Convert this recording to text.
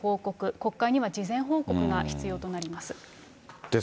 国会には事前報告が必要となります。